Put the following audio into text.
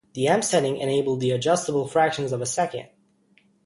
The M-setting enabled the adjustable fractions of a second.